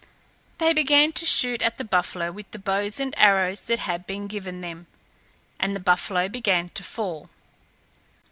They began to shoot at the buffalo with the bows and arrows that had been given them, and the buffalo began to fall.